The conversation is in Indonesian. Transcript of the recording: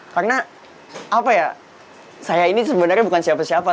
karena apa ya saya ini sebenarnya bukan siapa siapa